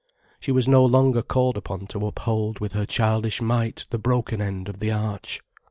She was no longer called upon to uphold with her childish might the broken end of the arch.